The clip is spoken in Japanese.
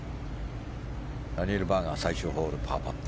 ダニエル・バーガー最終ホール、パーパット。